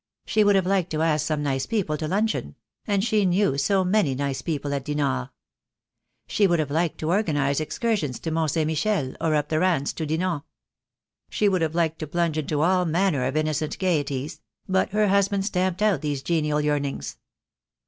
She would have liked to ask some nice people to luncheon; and she knew so many nice people at Dinard. She would have liked to organize ex cursions to Mont St. Michel, or up the Ranee to Dinan. She would have liked to plunge into all manner of in nocent gaieties; but her husband stamped out these genial yearnings.